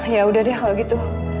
ya udah deh kalau gitu